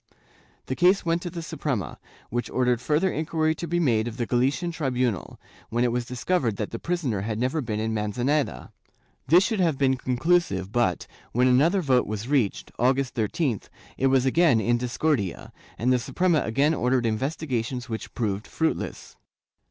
The case went to the Suprema, which ordered further inquiry to be made of the Galician tribunal, when it was discovered that the prisoner had never been in Manzaneda. This should have been conclusive but, when another vote was reached, August 13th, it was again in discordia, and the Suprema again ordered investigations which proved fruitless.